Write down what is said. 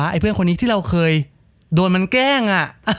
ไอ้เพื่อนคนนี้ที่เราเคยโดนมันแกล้ง